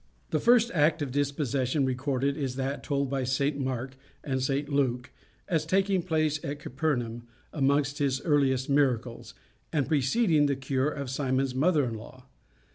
The first act of dispossession recorded is that told by St Mark and St Luke, as taking place at Capernaum, amongst his earliest miracles, and preceding the cure of Simon's mother in law.